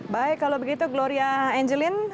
baik kalau begitu gloria angelin